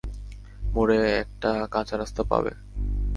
মোড়ে একটা কাঁচা রাস্তা পাবে।